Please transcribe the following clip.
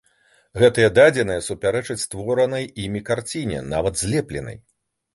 Гэтыя дадзеныя супярэчаць створанай імі карціне, нават злепленай.